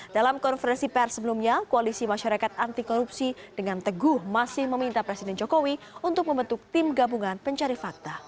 dalam konferensi pr sebelumnya koalisi masyarakat anti korupsi dengan teguh masih meminta presiden jokowi untuk membentuk tim gabungan pencari fakta